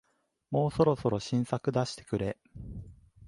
もうそろそろ新作出してくれ